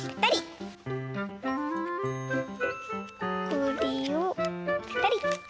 これをぺたり。